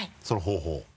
その方法を。